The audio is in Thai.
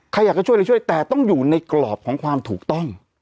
ใครอยากจะช่วยอะไรช่วยแต่ต้องอยู่ในกรอบของความถูกต้อง